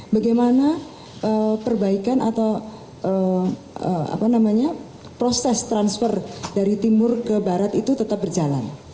bagaimana perbaikan atau proses transfer dari timur ke barat itu tetap berjalan